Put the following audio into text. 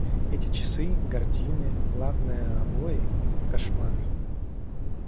Эти часы, гардины, главное, обои — кошмар.